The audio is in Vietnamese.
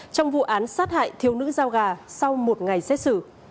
trong vụ án sát hại thiếu nữ giao gà sau một ngày xét xử